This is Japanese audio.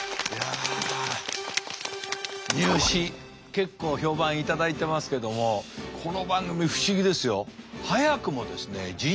結構評判頂いてますけどもこの番組不思議ですよ。